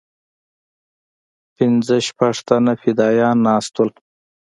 پنځه شپږ تنه فدايان ناست وو.